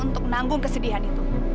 untuk nanggung kesedihan itu